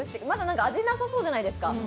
まだ味がなさそうじゃないですか。